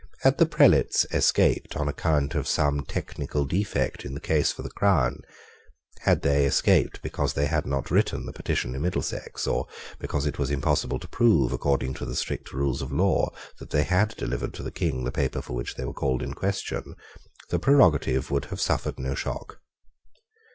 Had the prelates escaped on account of some technical defect in the case for the crown, had they escaped because they had not written the petition in Middlesex, or because it was impossible to prove, according to the strict rules of law, that they had delivered to the King the paper for which they were called in question, the prerogative would have suffered no shock.